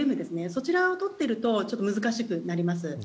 そちらを取っていると難しくなります。